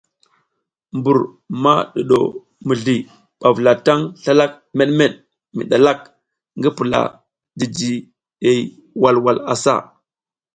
Mbur ma ɗuɗo mizli ɓa vulataŋ slalak meɗmeɗ mi ɗalak ngi pula jijihey walwal asa.